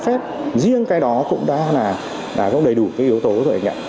không phép riêng cái đó cũng đã đầy đủ yếu tố rồi anh ạ